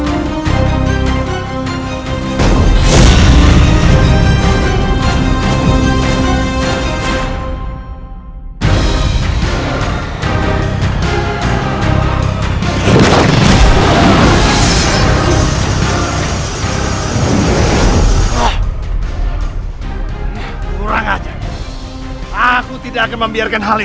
aku tidak akan membiarkan hal ini terjadi